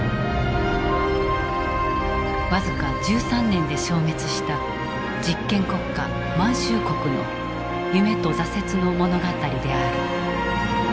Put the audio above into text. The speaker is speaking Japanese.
僅か１３年で消滅した実験国家「満州国」の夢と挫折の物語である。